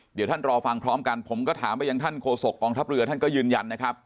เดี๋ยวท่านรอฟังพร้อมกันผมก็ถามไปยังท่านโฆษกองทัพเรือท่านก็ยืนยันนะครับ